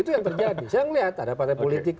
itu yang terjadi saya melihat ada partai politik